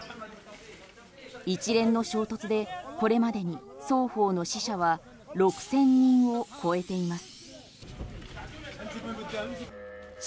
一連の衝突でこれまでに双方の死者は６０００人を超えています。